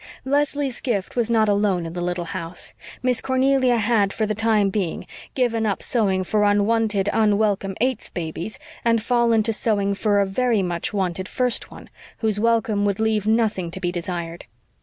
Leslie's gift was not alone in the little house. Miss Cornelia had, for the time being, given up sewing for unwanted, unwelcome eighth babies, and fallen to sewing for a very much wanted first one, whose welcome would leave nothing to be desired.